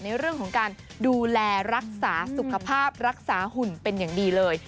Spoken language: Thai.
ในเรื่องของการดูแลรักษาสุขภาพรักษาหุ่นเป็นอย่างดีเลย